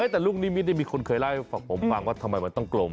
แต่ลูกนิมิตมีคนเคยเล่าให้ผมฟังว่าทำไมมันต้องกลม